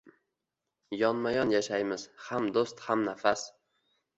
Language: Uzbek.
Yonma-yon yashaymiz, hamdo’st, hamnafas.